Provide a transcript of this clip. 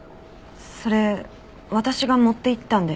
それ私が持って行ったんで。